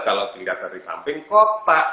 kalau dilihat dari samping kotak